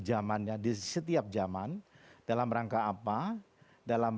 jangan coba hakimi lagi